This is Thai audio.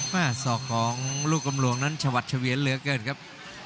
ศอกของลูกกำหลวงนั้นชวัดเฉวียนเหลือเกินครับ